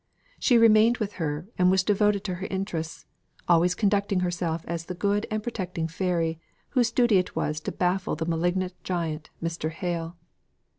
She remained with her, and was devoted to her interests; always considering herself as the good and protecting fairy, whose duty it was to baffle the malignant giant, Mr. Hale.